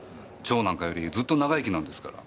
蝶なんかよりずっと長生きなんですから。